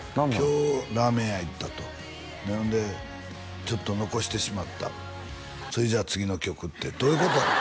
今日ラーメン屋行ったとほんでちょっと残してしまったそれじゃあ次の曲ってどういうことなの？